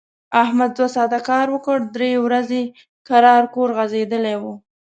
احمد دوه ساعت کار وکړ، درې ورځي کرار کور غځېدلی و.